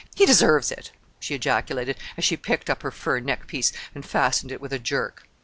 He deserves it," she ejaculated, as she picked up her fur neck piece, and fastened it with a jerk.